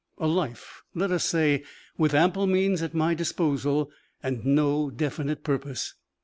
A life let us say with ample means at my disposal and no definite purpose."